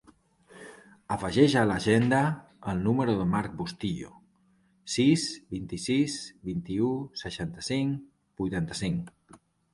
Afegeix a l'agenda el número del Mark Bustillo: sis, vint-i-sis, vint-i-u, seixanta-cinc, vuitanta-cinc.